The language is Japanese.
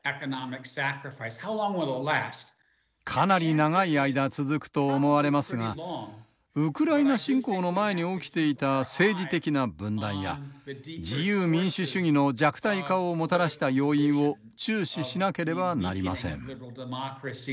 かなり長い間続くと思われますがウクライナ侵攻の前に起きていた政治的な分断や自由民主主義の弱体化をもたらした要因を注視しなければなりません。